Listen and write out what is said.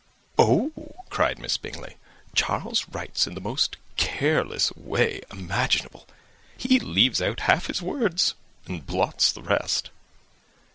"Oh," cried Miss Bingley, "Charles writes in the most careless way imaginable. He leaves out half his words, and blots the rest."